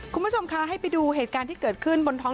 คุณผู้ชมคะให้ไปดูเหตุการณ์ที่เกิดขึ้นบนท้อง